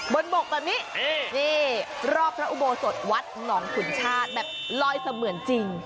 บกแบบนี้นี่รอบพระอุโบสถวัดหนองขุนชาติแบบลอยเสมือนจริง